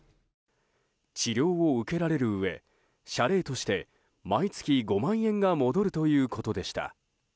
治療を受けられるうえ謝礼として毎月５万円が戻るということでした。